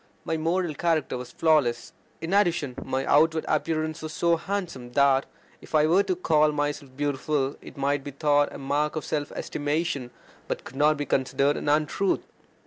My moral character was flawless. In addition, my outward appearance was so handsome, that if I were to call myself beautiful, it might be thought a mark of self estimation, but could not be considered an untruth.